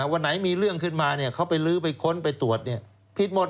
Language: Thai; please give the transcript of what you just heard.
วันไหนมีเรื่องขึ้นมาเขาไปลื้อไปค้นไปตรวจผิดหมด